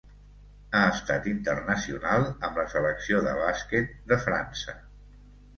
Ha estat internacional amb la Selecció de bàsquet de França.